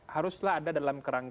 haruslah ada dalam keuangan